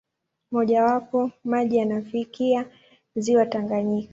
Mmojawapo, maji yanafikia ziwa Tanganyika.